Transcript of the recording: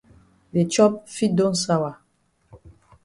De chop fit don sawa.